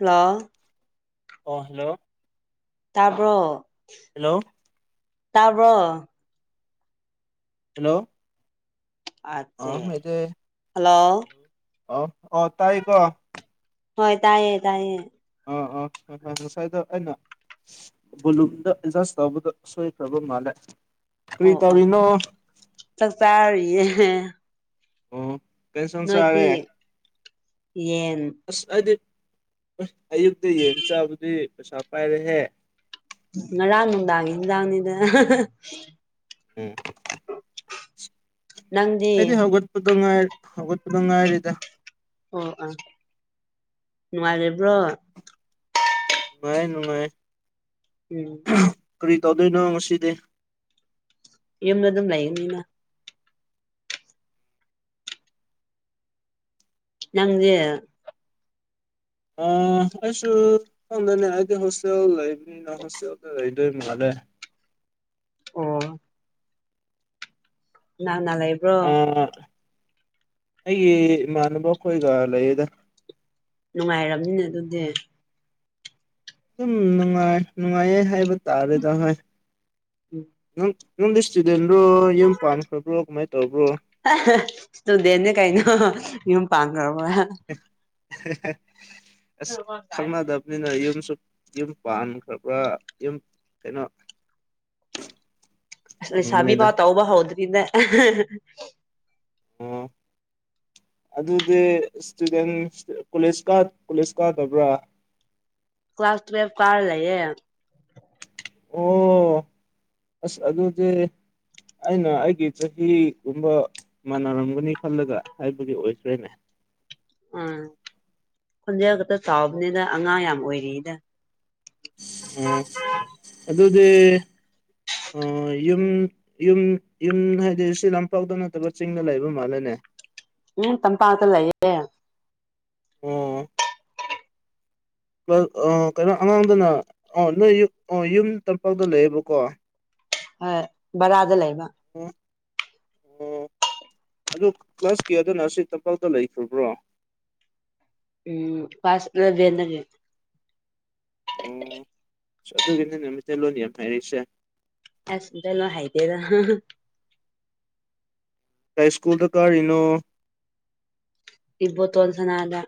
hello ꯑꯣ hello ꯇꯥꯕ꯭ꯔꯣ hello ꯇꯥꯕ꯭ꯔꯣ ꯍꯜꯂꯣ ꯑ ꯆ‌ꯦ ꯍꯜꯂꯣ ꯑꯣ ꯑꯣ ꯇꯥꯏꯌ‌ꯦ ꯀꯣ ꯍꯣꯏ ꯇꯥꯏꯌꯦ ꯇꯥꯏꯌꯦ ꯑꯣ ꯑꯣ ꯉꯁꯥꯏ ꯉꯁꯥꯏꯗ‌ꯣ ꯑꯧꯅ ꯕꯣꯂꯨꯝꯗ ꯑꯦꯗꯖꯁ ꯇꯧꯕꯗ ꯁꯣꯏꯈꯔꯕ ꯃꯥꯜꯂꯦ ꯀꯔꯤ ꯑꯣ ꯑꯣ ꯇꯧꯔꯤꯅꯣ ꯆꯥꯛ ꯆꯥꯔꯤꯌꯦ ꯑꯣ ꯀꯩꯁꯪ ꯅꯣꯏꯗꯤ ꯆꯥꯔꯦ ꯌꯦꯟ ꯑꯁ ꯑꯩꯗꯤ ꯑꯌꯨꯛꯇ ꯌꯦꯟ ꯆꯥꯕꯗꯤ ꯄꯩꯁꯥ ꯄꯥꯏꯔꯦꯍꯦ ꯉꯔꯥꯡ ꯅꯨꯡꯗꯥꯡ ꯏꯟꯁꯥꯡ ꯅꯤꯗ ꯎꯝ ꯅꯪꯗꯤ ꯑꯩꯗꯤ ꯍꯧ ꯍꯧꯒꯠꯄꯗ ꯉꯥꯏꯔꯤ ꯍꯧꯒꯠꯄꯗ ꯉꯥꯏꯔꯤꯗ ꯑꯣ ꯑꯥ ꯅꯨꯡꯉꯥꯏꯔꯤꯕ꯭ꯔꯣ ꯅꯨꯡꯉꯥꯏꯌ‌ꯦ ꯅꯨꯡꯉꯥꯏꯔꯤ ꯎꯝ ꯀꯔꯤ ꯇꯧꯗꯣꯏꯅꯣ ꯉꯁꯤꯗꯤ ꯌꯨꯝꯗ ꯑꯗꯨꯝ ꯂꯩꯒꯅꯤꯅ ꯅꯪꯗꯤ ꯑ ꯑꯩꯁꯨ ꯈꯪꯗꯦꯅꯦ ꯑꯩꯗꯤ ꯍꯣꯁꯇꯦꯜ ꯂꯩꯕꯅꯤ [unintelligible] ꯍꯣꯁꯇꯦꯜꯗ ꯂꯩꯗꯣꯢ ꯃꯥꯂꯦ ꯑꯣ ꯀꯥꯅ ꯀꯥꯅ ꯂꯩ ꯑ ꯑꯩꯒꯤ ꯏꯃꯥꯟꯅꯕ ꯈꯣꯏꯒ ꯂꯩꯌꯦꯗ ꯅꯨꯡꯉꯥꯏꯔꯝꯅꯤꯅꯦ ꯑꯗꯨꯗꯤ ꯑꯗꯨꯝ ꯅꯨꯡꯉꯥꯏ ꯅꯨꯡꯉꯥꯏꯌꯦ ꯍꯥꯏꯕ ꯇꯥꯔꯦꯗ ꯍꯣꯏ ꯎꯝ ꯅꯪ ꯅꯪꯗꯤ ꯏꯁꯇꯨꯗꯦꯟꯔꯣ ꯌꯨꯝ ꯄꯥꯟꯈ꯭ꯔꯕ꯭ꯔꯣ ꯀꯃꯥꯏꯅ ꯇꯧꯕ꯭ꯔꯣ ꯏꯁꯇꯨꯗꯦꯟꯅ ꯀꯩꯅꯣ ꯌꯨꯝ ꯄꯥꯟꯈ꯭ꯔꯕ ꯑꯁ ꯈꯪꯅꯥꯗ ꯅꯤꯅ ꯌꯨꯝꯁꯨ ꯌꯨꯝ ꯄꯥꯟꯈ꯭ꯔꯕꯥ ꯌꯨꯝ ꯀꯩꯅꯣ INAUDIBLE ꯑꯁ ꯂꯩꯁꯥꯕꯤ ꯐꯥꯎ ꯇꯧꯕ ꯍꯧꯗ꯭ꯔꯤꯗ ꯑꯣ ꯑꯗꯨꯗꯤ ꯏꯁꯇꯨꯗꯦꯟ ꯀꯣꯂꯦꯖ ꯀꯣꯂꯦꯖ ꯀꯥꯗꯕ꯭ꯔꯥ ꯀ꯭ꯂꯥꯁ ꯇꯨꯋꯦꯜ ꯀꯥꯔ ꯂꯩꯌꯦ ꯑꯣ ꯑꯁ ꯑꯗꯨꯗꯤ ꯑꯩꯅ ꯑꯩꯒꯤ ꯆꯍꯤꯒꯨꯝꯕ ꯃꯥꯟꯅꯔꯝꯒꯅꯤ ꯈꯜꯂꯒ ꯍꯥꯏꯕꯗꯤ ꯑꯣꯏꯗ꯭ꯔꯦꯅꯦ ꯑꯥ ꯈꯣꯟꯖꯦꯜ ꯈꯛꯇ ꯆꯥꯎꯕꯅꯤꯅ ꯑꯉꯥꯡ ꯌꯥꯝ ꯑꯣꯏꯔꯤꯗ ꯎꯝ ꯑꯗꯨꯗꯤ ꯑꯥ ꯌꯨꯝ ꯌꯨꯝ ꯌꯨꯝ ꯍꯥꯏꯗꯤ ꯁꯤ ꯂꯝꯄꯥꯛꯇ ꯅꯠꯇꯕ ꯆꯤꯡꯗ ꯂꯩꯕ ꯃꯥꯜꯂꯦꯅꯦ ꯎꯝ ꯇꯝꯄꯥꯛꯇ ꯂꯩꯌꯦ ꯎꯝ ꯀꯩꯅꯣ ꯑꯉꯥꯡꯗꯅ ꯑ ꯅꯣꯏ ꯌꯨꯝ ꯇꯄꯥꯛꯇ ꯂꯩꯌꯦꯕꯀꯣ ꯍꯣꯢ ꯕꯥꯔꯥꯗ ꯂꯩꯕ ꯑꯣ ꯑꯗꯨ ꯀ꯭ꯂꯥꯁ ꯀꯌꯥꯗ ꯅꯁꯥꯔꯤ ꯇꯝꯄꯥꯛꯇ ꯂꯩꯈ꯭ꯔꯕ꯭ꯔꯣ ꯎꯝ ꯀ꯭ꯂꯥꯁ ꯑꯦꯂꯕꯦꯟ ꯗꯒꯤ ꯑꯣ ꯑꯗꯨꯒꯤꯅꯤꯅꯦ ꯃꯤꯇꯩ ꯂꯣꯟ ꯌꯥꯝ ꯍꯩꯔꯤꯁꯦ ꯑꯁ ꯃꯤꯇꯩ ꯂꯣꯟ ꯍꯩꯇꯦꯗ ꯀꯥꯏ ꯁꯀꯨꯜꯗ ꯀꯥꯔꯤꯅꯣ ꯏꯕꯣꯇꯣꯟ ꯁꯥꯅꯗ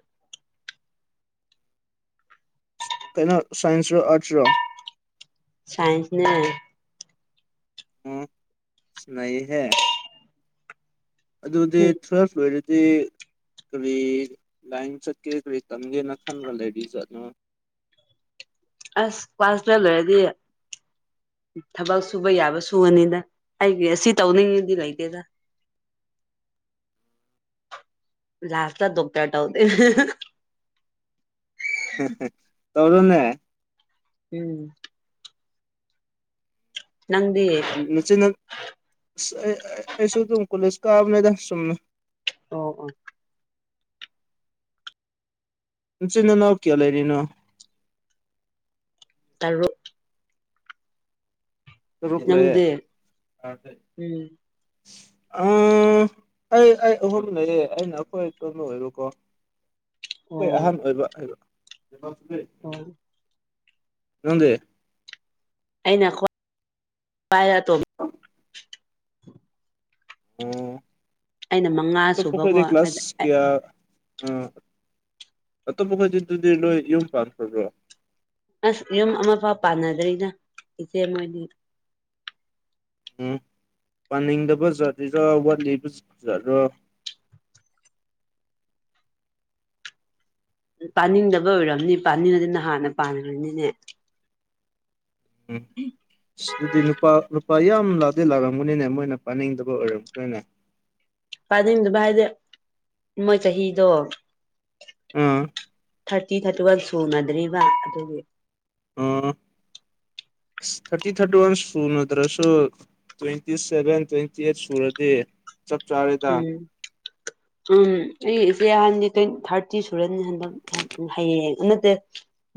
ꯀꯩꯅꯣ ꯁꯥꯏꯟꯁꯔꯣ ꯑꯥꯔꯠꯁꯔꯣ ꯁꯥꯏꯟꯁꯅꯦ ꯎꯝ ꯅꯩꯌꯦꯍꯦ ꯑꯗꯨꯗꯤ ꯎꯝ ꯇꯨꯌꯦꯜꯞ ꯂꯣꯢꯔ ꯗꯤ ꯀꯔꯤ ꯂꯥꯏꯟ ꯆꯠꯀꯦ ꯀꯔꯤ ꯇꯝꯒꯦꯅ ꯈꯟꯕ ꯂꯩꯔꯤꯖꯥꯠꯅꯣ ꯑꯁ ꯀ꯭ꯂꯥꯁ ꯇꯨꯋꯦꯜꯞ ꯂꯣꯏꯔꯗꯤ ꯊꯕꯛ ꯁꯨꯕ ꯌꯥꯕ ꯁꯨꯒꯅꯤꯗ ꯑꯩꯒꯤ ꯑꯁꯤ ꯇꯧꯅꯤꯡꯉꯤꯗꯤ ꯂꯩꯇꯦꯗ ꯂꯥꯁꯇ ꯗꯣꯛꯇꯔ ꯇꯧꯗꯣꯢ ꯇꯧꯔꯣꯅꯦ ꯎꯝ ꯅꯪꯗꯤ ꯅꯥꯆꯤꯟ ꯅ ꯑꯩꯁꯨ ꯑꯗꯨꯝ ꯀꯣꯂꯦꯖ ꯀꯥꯕꯅꯤꯗ ꯁꯨꯝꯅ ꯑꯣ ꯑꯣ ꯅꯆꯤꯟ ꯅꯅꯥꯎ ꯀꯌꯥ ꯂꯩꯔꯤꯅꯣ ꯇꯔꯨꯛ ꯇꯔꯨꯛ ꯂꯤꯌꯦ ꯅꯪꯗꯤ ꯎꯝ ꯎꯝ ꯑꯩ ꯑꯩ ꯑꯍꯨꯝ ꯂꯩꯌꯦ ꯑꯩꯅ ꯑꯩꯈꯣꯏ ꯑꯇꫭꯝꯕ ꯑꫭꯏꯕ ꯀꯣ ꯑꯣ ꯑꯩꯈꯣꯏ ꯑꯍꯟ ꯑꯣꯏꯕ ꯍ [unintelligible] ꯅꯪꯗꯤ ꯑꯩꯅ ꯈꯨꯋꯥꯏ ꯑꯇꫭꯝꯕꯤ ꯑ [unintelligible] INAUDIBLE ꯑꯩꯅ ꯃꯉꯥ ꯁꯨꯕꯀꯣ ꯀꯌꯥ ꯑꯇꯣꯞꯄ ꯈꯩꯗꯤꯗꯨꯗꯤ ꯅꯣꯏ ꯌꯨꯝ ꯄꯥꯟꯈ꯭ꯔꯕ꯭ꯔꯣ ꯑꯁ ꯌꯨꯝ ꯑꯃꯐꯥꯎ ꯄꯥꯟꯅꯗ꯭ꯔꯤꯅ ꯏꯆꯦ ꯃꯣꯏꯅꯤ ꯎꯝ ꯄꯥꯅꯤꯡꯗꯕ ꯖꯠꯔꯤꯔꯥ ꯋꯥꯠꯂꯤꯕ ꯖꯠꯔꯣ ꯄꯥꯅꯤꯡꯗꯕ ꯑꯣꯏꯔꯝꯅꯤ ꯄꯥꯅꯤꯡꯉꯗꯤ ꯅ ꯍꯥꯟꯅ ꯄꯥꯟꯈ꯭ꯔꯅꯤꯅꯦ ꯎꯝ ꯑꯗꯨꯗꯤ ꯅꯨꯄꯥ ꯅꯨꯄꯥ ꯌꯥꯝ ꯂꯥꯛꯇꯦ ꯂꯥꯛꯂꯝꯝꯒꯅꯤꯅꯦ ꯃꯣꯏꯅ ꯄꯥꯅꯤꯡꯗꯕ ꯑꯣꯏꯔꯝꯒꯅꯤꯅ‌ꯦ ꯄꯅꯤꯡꯗꯕ ꯍꯥꯏꯗ ꯃꯣꯏ ꯆꯍꯤꯗꯣ ꯑꯥ ꯊꯥꯔꯇꯤ ꯊꯥꯔꯇꯤꯋꯥꯜ ꯁꯨꯅꯗ꯭ꯔꯤꯕ ꯑꯗꯨꯒꯤ ꯑꯥ ꯊꯥꯔꯇꯤ ꯊꯥꯔꯇꯤ ꯋꯥꯟ ꯁꯨꯅꯗꯔꯁꯨ ꯇ꯭ꯋꯦꯟꯇꯤ ꯁꯦꯚꯦꯟ ꯇ꯭ꯋꯦꯟꯇꯤ ꯑꯩꯠ ꯁꯨꯔꯗꯤ ꯆꯞ ꯆꯥꯔꯦ ꯎꯝ ꯎꯝ ꯑꯩ ꯏꯆꯦ ꯍꯥꯟꯗꯤ ꯇꫭꯏꯟ ꯊꯥꯔꯇꯤ ꯁꯨꯔꯅꯤ ꯍꯟꯗꯛ ꯍꯌꯦꯡ ꯅꯠꯇꯦ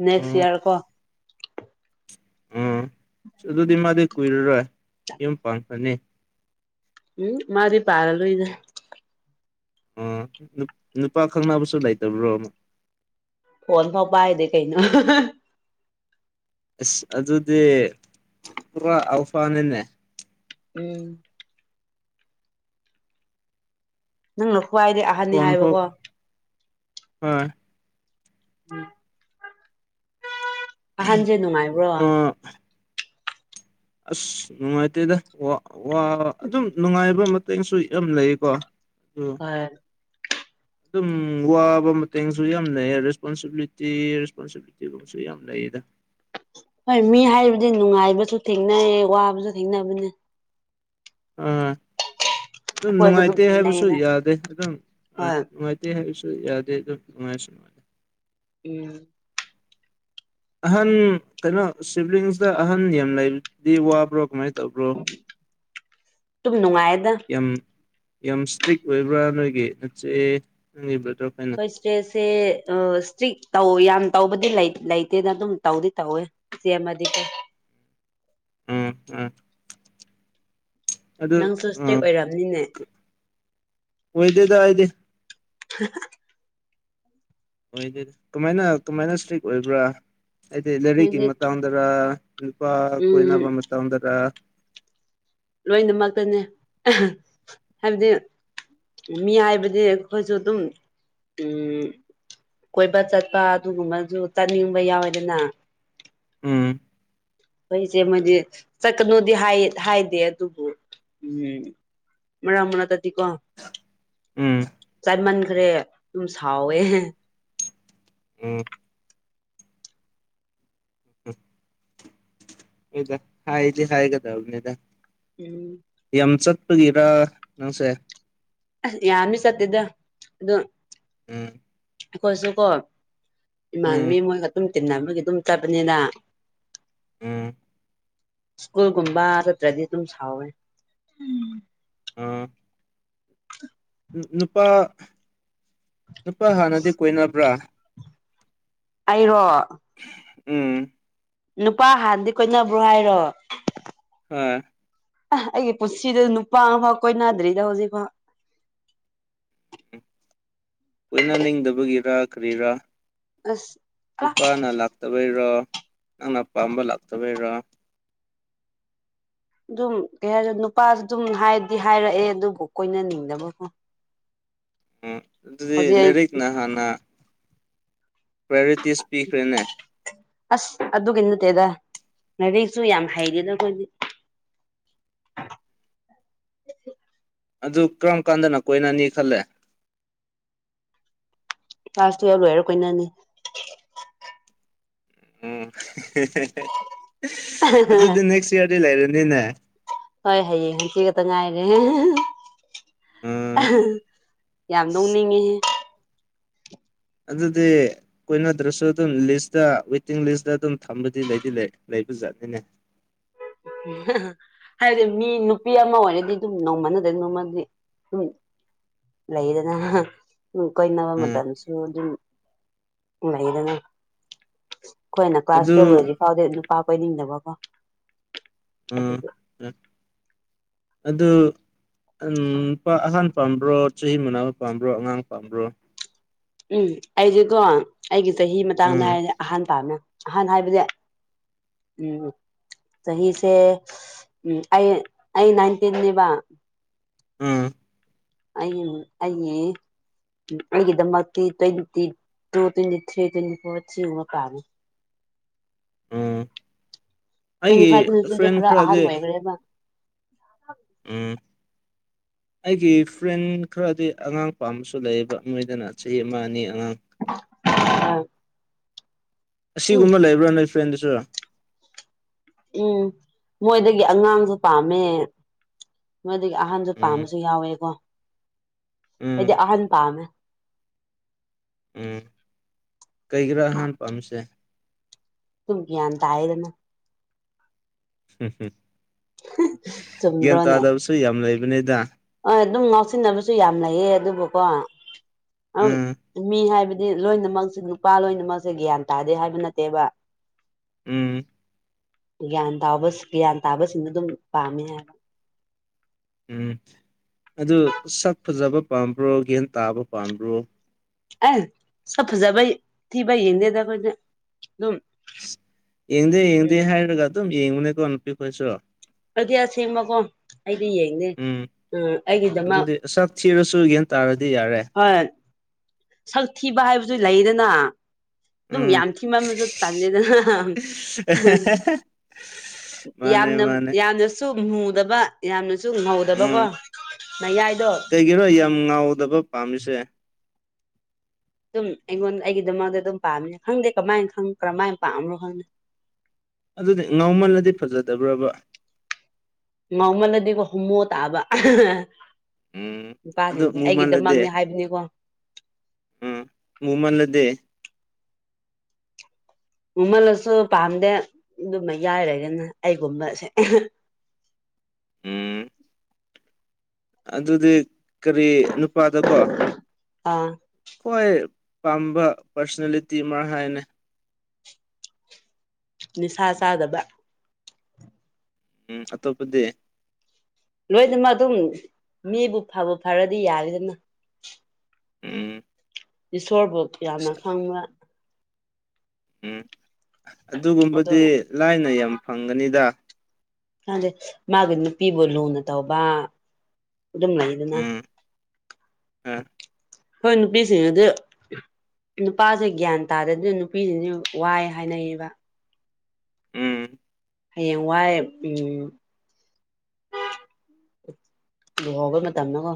ꯅꯦꯠꯁ ꯎꯝ ꯏꯌꯥꯔ ꯀꯣ ꯎꯝ ꯑꯗꯨꯗꯤ ꯃꯥꯗꯤ ꯀꯨꯏꯔꯔꯣꯏ ꯌꯨꯝ ꯄꯥꯡꯈꯔꯅꯤ ꯎꯝ ꯃꯥꯗꯤ ꯄꯥꯜꯂ ꯂꫭꯏꯗ ꯑꯥ ꯅꯨꯄꯥ ꯈꯪꯅꯕꯁꯨ ꯂꯩꯇꯕ꯭ꯔꯣ ꯑꯃ ꯐꯣꯟ ꯐꯥꯎ ꯄꯥꯏꯗ‌ꯦ ꯀꯩꯅꯣ ꯑꯁ ꯑꯗꯨꯗꯤ ꯄꯨꯔꯥ ꯑꯜꯐꯥꯅꯤꯅꯦ ꯎꯝ ꯅꯪꯅ ꯈꯋꯥꯏꯗꯩ ꯐꯣꯟ ꯐꯥꯎ ꯍꯣꯏ ꯎꯝ [unintelligible] ꯑꯍꯥꯟꯁꯦ ꯅꯨꯡꯉꯥꯏꯕ꯭ꯔꯣ ꯑꯣ ꯑꯁ ꯅꯨꯡꯉꯥꯏꯇꯦꯗ ꯋꯥ ꯋꯥ ꯑꯗꯨꯝ ꯅꯨꯡꯉꯥꯏꯕ ꯃ UNINTELLIGIBLE ꯌꯥꯝ ꯂꯩꯀꯣ ꯍ [unintelligible] ꯑꯗꯨꯝ ꯋꯥꯕ ꯃꯇꯦꯡꯁꯨ ꯌꯥꯝꯅꯩꯌꯦ ꯔꯦꯁꯄꯣꯟꯁꯤꯕꯤꯂꯤꯇꯤ ꯔꯦꯁꯄꫭꯟꯁꯤ UNINTELLIGIBLE ꯌꯥꯝ ꯂꯩꯌꯦꯗ ꯍꯣꯏ ꯃꯤ ꯍꯥꯏꯕꯗꯤ ꯅꯨꯡꯉꯥꯏꯕꯁꯨ ꯊꯦꯡꯅꯩ ꯋꯥꯕꯁꯨ ꯊꯦꯡꯅꯕꯅꯦ ꯑꯥ ꯑꯗꯨꯝ ꯑꯩꯈꯣꯏꯁꯨ ꯅꯨꯡꯉꯥꯏꯇꯦ ꯍꯥꯏꯕꯁꯨ ꯊꯦꯡꯅꯩꯌꯦꯅ ꯌꯥꯗꯦ ꯑꯗꯨꯝ ꯑꯥ ꯍꯣꯏ ꯅꯨꯡꯉꯥꯏ [unintelligible] ꯍꯥꯏꯁꯨ ꯌꯥꯗꯦꯉꯥꯏ ꯎꯝ ꯑꯍꯟ ꯀꯩꯅꯣ ꯁꯤꯕꯂꯤꯡꯁꯇ ꯑꯍꯟ ꯌꯥꯝ ꯂꯩꯕꯗꯤ ꯋꯥꯕ꯭ꯔꯣ ꯀꯃꯥꯏꯅ ꯇ ꯇꯧꯕ꯭ꯔꯣ ꯑꯗꯨꯝ ꯅꯨꯡꯉꯥꯏꯌꯦꯗ ꯌꯥꯝ ꯌꯥꯝ ꯏꯁꯇ꯭ꯔꯤꯛ ꯑꯣꯏꯕ꯭ꯔꯥ ꯅꯣꯏꯒꯤ ꯅꯆꯦ ꯅꯪꯒꯤ ꯕꯔꯗꯔ ꯏꯆ‌ꯦꯁ‌ꯦ ꯏꯁꯇ꯭ꯔꯤꯛ ꯇꯧ ꯌꯥꯝ ꯇꯧꯕꯗꯤ ꯂꯩꯇꯦꯗ ꯑꯗꯨꯝ ꯇꯧꯗꯤ ꯇꯧꯋꯦ ꯏꯆ‌ꯦ ꯥꯃꯗꯤ ꯀꫭ ꯎꯝ ꯎꯝ ꯑꯗꯨ ꯅꯪꯁꯨ ꯏꯁꯇ꯭ꯔꯤꯛ ꯎꯝ ꯑꯣꯏꯔꯝꯅꯤꯅꯦ ꯑꯣꯏꯗꯦꯗ ꯑꯩꯗꯤ ꯍ [unintelligible] ꯑꫭꯏꯗ‌ꯦꯗ ꯀꯃꯥꯏꯅ ꯀꯃꯥꯏꯅ ꯏꯁꯇ꯭ꯔꯤꯛ ꯑꯣꯏꯕ꯭ꯔꯥ ꯍꯥꯏꯗꯤ ꯂꯥꯏꯔꯤꯛꯀꯤ ꯍꯥꯏꯗꯤ ꯃꯇꯥꯡꯗꯔ ꯏꯄꯥ ꯎꯝ ꯀꯣꯏꯅꯕꯝ ꯃ ꯑꯣꯟꯗꯔ ꯂꯣꯏꯅꯃꯛꯇꯅꯦ ꯍꯥꯏꯕꯗꯤ ꯃꯤ ꯍꯥꯏꯕꯗꯤ ꯑꯩꯈꯣꯏꯁꯨ ꯑꯗꯨꯝ ꯎꯝ ꯀꯣꯏꯕ ꯆꯠꯄ ꯑꯗꯨꯒꯨꯝꯕꯁꯨ ꯆꯠꯅꯤꯡꯕ ꯌꯥꯎꯋꯦꯗꯅ ꯎꯝ ꯑꯩꯈꯣꯏꯁꯦ ꯃꯗꯤ ꯆꯠꯀꯅꯨꯗꯤ ꯍꯥꯏꯗꯦ ꯑꯗꯨꯕꯨ ꯎꯝ ꯃꯥ ꯃꯅꯥꯛꯇꯗꯤꯀꯣ ꯎꯝ ꯆꯥꯟꯃꯟꯈ꯭ꯔꯦ ꯑꯗꯨꯝ ꯁꯥꯎꯋꯦ ꯑꯣ ꯎ ꯎ ꯏꯗ ꯍꯥꯏꯗꯤ ꯍꯥꯏꯒꯗꯅꯤꯗ ꯎ ꯌꯥꯝ ꯆꯠꯄꯒꯤꯔ ꯅꯪꯁꯦ ꯑ ꯌꯥꯔ ꯆꯠꯇꯦꯗ ꯑꯗꯨꯗ ꯎꯝ ꯑꯩꯈꯣꯏꯁꯨ ꯀꯣ ꯎꯝ ꯏꯃꯥꯟꯕꯤ ꯃꯣꯏ ꯑꯗꯨꯝ ꯇꯤꯟ ꯑꯃꯒꯤ ꯑꯗꯨꯝ ꯆꯕꯅꯤꯅ ꯎꯝ ꯁ꯭ꯀꯨꯜꯒꯨꯝꯕ ꯆꯠꯇ꯭ꯔꯗꯤ ꯑꯗꯨꯝ ꯁꯥꯎꯋꯦ ꯑ ꯅꯨꯄꯥ ꯅꯨꯄꯥ ꯍꯥꯟꯅꯗꯤ ꯀꯣꯏꯅꯕ꯭ꯔꯥ ꯑꯩꯔꯣ ꯎꯝ ꯅꯨꯄꯥ ꯍꯥꯟꯅꯗꯤ ꯀꯣꯏꯅꯕ꯭ꯔꯣ ꯍꯥꯏꯔꯣ ꯍꯣꯏ ꯑ ꯑꯩꯒꯤ ꯄꯨꯟꯁꯤꯗ ꯅꯨꯄꯥ ꯑꯃꯐꯥꯎ ꯀꯣꯏꯅꯗ꯭ꯔꯤꯗ ꯍꯧꯖꯤꯛꯐꯥꯎ ꯂꯣꯏꯅ ꯅꯤꯡꯗꯕꯒꯤꯔ ꯀꯔꯤꯔꯥ ꯑꯁ ꯑ ꯅꯨꯄꯥꯅ ꯂꯥꯛꯇꯕꯩꯔꯣ ꯅꯪꯅꯄꯥꯝꯕ ꯂꯥꯛꯇꯕꯩꯔꯣ ꯑꯗꯨꯝ ꯀꯩ ꯍꯥꯏꯔ ꯅꯨꯄꯥꯁꯨ ꯑꯗꯨꯝ ꯍꯥꯏꯔꯗꯤ ꯍꯥꯏꯔꯛꯑꯦ ꯑꯗꯨꯕꯨ ꯀꯣꯏꯅꯅꯤꯡꯗꯕꯕꯨꯣ ꯎꯝ ꯑꯗꯨꯗꯤ ꯍꯧꯖꯤꯛ ꯑꯩ ꯂꯥꯏꯔꯤꯛꯅ ꯍꯥꯟꯅ ꯄ꯭ꯔꯥꯏꯌꯣꯔꯤꯇꯤꯁ ꯄꯤꯈ꯭ꯔꯦꯅꯦ ꯑꯁ ꯑꯗꯨꯒꯤ ꯅꯠꯇꯦꯗ ꯉꯥꯏꯔꯤꯛꯁꯨ ꯌꯥꯝ ꯍꯩꯔ ꯑꯗ ꯑꯩꯈꯣꯏꯗꯤ ꯑꯗꯨ ꯀꯔꯝ ꯀꯥꯟꯗꯅ ꯀꯣꯏꯅꯅꯤ ꯈꯜꯂꯦ ꯂꯥꯁꯇ ꯌꯥꯎ ꯂꯣꯏꯔ ꯀꯣꯏꯅꯥꯅꯤ ꯎꯝ ꯑꯗꯨꯗꯤ ꯅꯦꯛꯁ ꯏꯌꯥꯔꯗꯤ ꯂꯩꯔꯅꯤꯅꯦ ꯍꯣꯏ ꯍꯌꯦꯡ ꯍꯆꯤ ꯈꯛꯇ ꯉꯥꯏꯔꯦ ꯎꯝ ꯌꯥꯝ ꯅꯣꯛꯅꯤꯡꯉꯤꯍꯦ ꯑꯗꯨꯗꯗꯤ ꯀꯣꯏꯅꯗ꯭ꯔꯁꯨ ꯑꯗꯨꯝ ꯂꯤꯁꯇ ꯋꯦꯇꯤꯡ ꯂꯤꯁꯇ ꯑꯗꯨꯝ ꯊꯝꯕꯗꯤ ꯂꯩꯗꯤ ꯂꯩ ꯂꯩꯕꯖꯥꯠꯅꯤꯅꯦ ꯎ ꯍꯥꯏꯗꯤ ꯃꯤ ꯅꯨꯄꯤ ꯑꯃ ꯑꯣꯏꯔꯗꯤ ꯑꯗꯨꯝ ꯅꯣꯡꯃ ꯅꯗ ꯅꯣꯡꯃꯗꯤ ꯑꯗꯨꯝ ꯂꯩꯗꯅ ꯎ ꯀꯣꯏꯅꯕꯃ ꯎꯝ ꯊꯥꯟꯁꯨ ꯑꯗꯨꯝ ꯍꯥꯏꯗꯅ ꯑꯩꯈꯣꯏꯅ ꯀ꯭ꯂꯥꯁ ꯑꯗꯨ ꯇꯨꯌꯦꯦꯜꯕꯗꯤ ꯐꯥꯎꯗꯦ ꯅꯨꯄꯥ ꯀꯣꯏꯅꯤꯡꯗꯕꯀꯣ ꯑꯗꯨ ꯑꯗꯨ ꯑ ꯑꯗꯨꯗ ꯎꯝ ꯅꯨꯄꯥ ꯑꯍꯥꯟ ꯄꯥꯝꯕ꯭ꯔꯣ ꯆꯍꯤ ꯃꯅꯥ ꯄꯥꯝꯕ꯭ꯔꯣ ꯑꯉꯥꯡ ꯄꯥꯝꯕ꯭ꯔꯣ ꯎꯝ ꯑꯩꯗꯤꯀꯣ ꯑꯩꯒꯤ ꯆꯍꯤ ꯃꯇꯥꯡꯗ ꯎꯝ ꯍꯥꯏꯔꯅꯦ ꯑꯍꯥꯟꯕ ꯄꯥꯝꯅꯦ ꯑꯍꯥꯟ ꯍꯥꯏꯕꯁ [unintelligible] ꯆꯍꯤꯁꯦ ꯎꯝ ꯑꯩ ꯑꯩ ꯅꯥꯏꯟꯇꯤꯟꯅꯦꯕ ꯎꯝ ꯑꯩꯒꯤ ꯑꯩꯒꯤ ꯑꯩꯒꯤꯗꯃꯛꯇꯤ twenty two twenty three twenty four ꯁꯤꯒꯨꯝꯕ ꯄꯝꯃꯦ ꯎꯝ ꯇ꯭ꯋꯦꯟꯇꯤ ꯑꯩꯒꯤ ꯐꯥꯏꯚ ꯇꯋꯦꯟꯇꯤ ꯊꯔꯤꯗꯤ ꯐ꯭ꯔꯦꯟ ꯈꯔ ꯑꯍꯥꯟ ꯈꯔꯗꯤ ꯑꯣꯏꯈ꯭ꯔꯦꯕ ꯎꯝ ꯑꯩꯒꯤ ꯐ꯭ꯔꯦꯟ ꯈꯔꯗꯤ ꯑꯉꯥꯡ ꯄꯥꯝꯕꯁꯨ ꯂꯩꯌꯦꯕ ꯃꯣꯏꯗꯅ ꯆꯍꯤ ꯑꯃ ꯑꯅꯤ ꯑꯉꯥꯡ ꯎꯝ ꯑꯁꯤꯒꯨꯝꯕ ꯂꯩꯕ꯭ꯔꯥ ꯅꯣꯏ ꯐ꯭ꯔꯦꯟꯗꯁꯨ ꯎꯝ ꯃꯣꯏꯗꯒꯤ ꯑꯉꯥꯡꯖꯨ ꯄꯥꯝꯃꯦ ꯃꯣꯏꯗꯒꯤ ꯑꯍꯟꯖꯨ ꯎꯝ ꯄꯥꯝꯕꯁꯨ ꯌꯥꯎꯋꯦꯀꯣ ꯎꯝ ꯑꯩꯗꯤ ꯑꯍꯟ ꯄꯥꯝꯃꯦ ꯎꯝ ꯀꯩꯒꯤꯔꯥ ꯑꯍꯥꯟ ꯄꯥꯝꯕꯁꯦ ꯗꯨꯝ ꯒꯌꯥꯟ ꯇꯌꯦꯗꯅ [unintelligible] ꯒ꯭ꯌꯥꯟ ꯆꯨꯝꯗ꯭ꯔꯣꯅꯦ ꯇꯥꯗꯕꯁꯨ ꯌꯥꯝ ꯂꯩꯕꯅꯦꯗ ꯍꯣꯏ ꯑꯗꯨꯝ ꯉꯥꯎꯁꯤꯟꯅꯕꯁꯨ ꯌꯥꯝ ꯂꯩꯌꯦ ꯑꯗꯨꯕꯨꯀꯣ ꯎꯝ ꯃꯤ ꯍꯥꯏꯕ ꯂꯣꯏꯅꯃꯛꯁꯦ ꯅꯨꯄꯥ ꯂꯣꯏꯅꯃꯛꯁꯦ ꯒ꯭ꯌꯥꯟ ꯇꯥꯗꯦ ꯍꯥꯏꯕ ꯅꯠꯇꯦꯕ ꯎꯝ ꯒ꯭ꯌꯥꯟ ꯇꯥꯕꯁ ꯒ꯭ꯌꯥꯟ ꯇꯥꯕꯁꯤꯡꯗꯣ ꯑꯗꯨꯝ ꯄꯥꯝꯃꯦ ꯍꯥꯏꯕ ꯎꯝ ꯑꯗꯨ ꯁꯛ ꯐꯖꯕ ꯄꯥꯝꯕ꯭ꯔꯣ ꯒꯌꯟ ꯇꯥꯕ ꯄꯥꯝꯕ꯭ꯔꯣ ꯑꯦ ꯁꯛ ꯐꯖꯕꯩ ꯊꯤꯕꯩ ꯌꯦꯡꯗꯦꯗ ꯑꯩꯈꯣꯏꯗꯤ ꯑꯗꯨꯝ ꯌꯦꯡꯗꯦ ꯌꯦꯡꯗꯦ ꯎꯝ ꯍꯥꯏꯔꯒ ꯑꯗꯨꯝ ꯌꯦꯡꯕꯅꯦꯀꯣ ꯅꯨꯄꯤꯈꯣꯏꯁꯨ ꯑꯗꯨꯗꯤ ꯑꯁꯦꯡꯕꯀꯣ ꯑꯩꯗꯤ ꯌꯦꯡꯗꯦ ꯎꯝ ꯎꯝ ꯑꯩꯒꯤꯗꯃꯛ ꯑꯗꯨꯗꯤ ꯁꯛ ꯊꯤꯔꯁꯨꯨ ꯒꯌꯟ ꯇꯥꯔꯗꯤ ꯌꯥꯔꯦ ꯍꯣꯏ ꯁꯛ ꯊꯤꯕ ꯍꯥꯏꯕꯁꯨ ꯂꯩꯗꯅ ꯑꯗꯨꯝ ꯎꯝ ꯌꯥꯝ ꯊꯤꯃꯟꯕꯖꯨ ꯇꯜꯂꯦꯗꯅ ꯃꯥꯅꯦ ꯌꯥꯝꯅ ꯃꯥꯅꯦ ꯌꯥꯝꯅꯁꯨ ꯃꯨꯗꯕ ꯌꯥꯝꯅꯁꯨ ꯉꯧꯗꯕꯀꯣ ꯃꯥꯌꯥꯏꯗꯣ ꯒꯤꯔꯣ ꯌꯥꯝ ꯉꯥꯎꯗꯕ ꯄꯥꯝꯃꯤꯁꯦ ꯑꯗꯨꯝ ꯑꯩꯉꯣꯟ ꯑꯩꯒꯤꯗꯃꯛꯇ ꯑꯗꯨꯝ ꯄꯥꯝꯃꯅꯦ ꯈꯪꯗꯦ ꯀꯃꯥꯏꯟ ꯈꯪ ꯀꯔꯝꯃꯥꯏ ꯄꯥꯝꯕꯔꯣ ꯈꯪꯗꯦ ꯑꯗꯨꯗꯤ ꯉꯥꯎꯃꯜꯂꯗꯤ ꯐꯖꯗꯕ꯭ꯔꯕ ꯉꯧꯃꯜꯂꯗꯤꯀꯣ ꯍꯨꯃꯣ ꯇꯥꯕ ꯎꯝ ꯑꯗꯨ ꯅꯨꯄꯥꯁꯤꯡꯁꯦ ꯃꯨꯃꯜꯂꯗꯤ ꯑꯩꯒꯤꯗꯃꯛꯅꯦ ꯍꯥꯏꯕꯅꯤꯀꯣ ꯎꯝ ꯃꯨꯃꯜꯂꯗꯤ ꯃꯃꯜꯂꯁꯨ ꯄꯥꯝꯗꯦ ꯑꯗꯨꯝ ꯃꯌꯥꯏ ꯂꯩꯗꯕ ꯑꯩꯒꯨꯝꯕꯁꯦ ꯎꯝ ꯑꯗꯨꯗꯤ ꯀꯔꯤ ꯅꯨꯄꯥꯗꯀꯣ ꯑꯥ ꯍꯣꯏ ꯄꯥꯝꯕ ꯄꯥꯔꯁꯅꯦꯂꯤꯇꯤ ꯑꯃ ꯍꯥꯏꯌꯣꯅꯦ ꯅꯤꯁꯥ ꯆꯥꯗꯕ ꯎꯝ ꯑꯇꯣꯞꯄꯗꯤ ꯂꯣꯏꯅꯃꯛ ꯑꯗꯨꯝ ꯃꯤꯕꯨ ꯐꯕꯨ ꯐꯔꯗꯤ ꯌꯥꯔꯦꯗꯅ ꯎꯝ ꯏꯁꯣꯔꯕꯨ ꯌꯥꯝꯅ ꯈꯪꯕ ꯎꯝ ꯑꯗꯣ ꯑꯗꯨꯒꯨꯝꯕꯗꯤ ꯂꯥꯏꯅ ꯌꯥꯝ ꯐꯪꯒꯅꯤꯗ ꯈꯪꯗꯦ ꯃꯥꯒꯤ ꯅꯨꯄꯤꯕꯨ ꯂꯨꯅ ꯇꯧꯕ ꯑꯗꯨꯝ ꯂꯩꯗꯅ ꯑ ꯈꯣꯏ ꯅꯨꯄꯤꯁꯤꯡꯅꯗꯤ ꯅꯨꯄꯥꯁꯦ ꯒ꯭ꯌꯥꯟ ꯇꯥꯗꯦ ꯑꯗꯨꯅ ꯅꯨꯄꯤꯁꯤꯡꯁꯨ ꯋꯥꯏ ꯍꯥꯏꯅꯩꯌꯦꯕ ꯎꯝ ꯍꯌꯦꯡꯋꯥꯏ ꯎꯝ [unintelligible] ꯂꯨꯍꯣꯕꯩ ꯃꯇꯝꯅꯀꯣ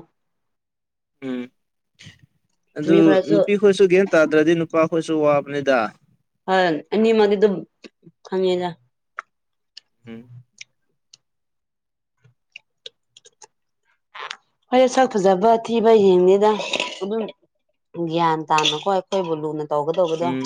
ꯎꯝ ꯑꯗꯨ ꯃꯤ ꯈꯔꯁꯨ ꯅꯨꯄꯤ ꯈꯣꯏꯁꯨ ꯒ꯭ꯌꯥꯟ ꯇꯥꯗ꯭ꯔꯗꯤ ꯅꯨꯄꯥ ꯈꯣꯏꯁꯨ ꯋꯥꯕꯅꯤꯗ ꯍꯣꯏ ꯑꯅꯤꯃꯛꯗꯤ ꯑꯗꯨꯝ ꯈꯪꯉꯦꯖ ꯎꯝ ꯍꯣꯏ ꯁꯛ ꯐꯖꯕ ꯊꯤꯕ ꯌꯦꯡꯅꯤꯗ ꯑꯗꯨꯝ ꯒ꯭ꯌꯥꯟ ꯇꯥꯅꯀꯣ ꯑꯩꯈꯣꯏꯕꯨ ꯂꯨꯅ ꯇꯧꯒꯗꯧꯕꯗꯣ ꯎꯝ